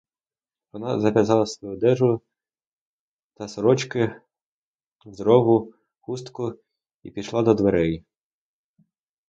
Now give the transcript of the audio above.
Вона зав'язала свою одежу та сорочки в здорову хустку і пішла до дверей.